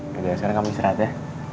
pada dasarnya kamu diserat ya